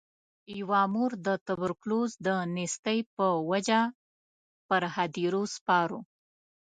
یوه مور د توبرکلوز د نیستۍ په وجه پر هدیرو سپارو.